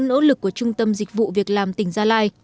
nỗ lực của trung tâm dịch vụ việc làm tỉnh gia lai